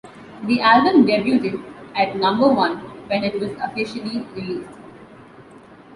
The album debuted at number one when it was officially released.